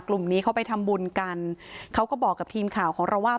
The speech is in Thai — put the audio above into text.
กลุ่มนี้เขาไปทำบุญกันเขาก็บอกกับทีมข่าวของเราว่า